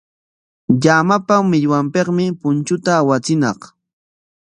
Llamapa millwanpikmi punchunta awachiñaq.